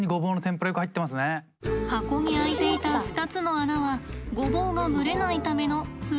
確かに箱に開いていた２つの穴はごぼうが蒸れないための通気口です。